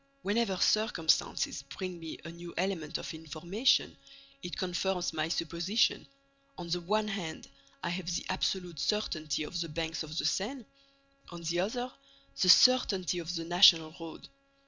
"Whenever circumstances bring me a new element of information, it confirms my supposition. On the one hand, I have the absolute certainty of the banks of the Seine; on the other, the certainty of the National Road.